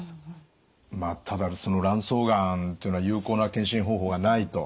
ただ卵巣がんというのは有効な検診方法がないと。